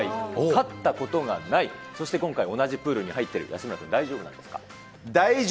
勝ったことがない、そして今回、同じプールに入ってる、安村君、大丈夫です。